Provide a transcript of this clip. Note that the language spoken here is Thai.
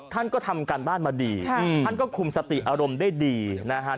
ท่านก็ทำการบ้านมาดีท่านก็คุมสติอารมณ์ได้ดีนะฮะ